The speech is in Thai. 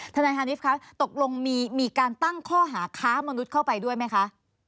ทนายฮานิฟคะตกลงมีการตั้งข้อหาค้ามนุษย์เข้าไปด้วยไหมคะ